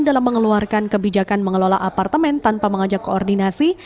dalam mengeluarkan kebijakan mengelola apartemen tanpa mengajak koordinasi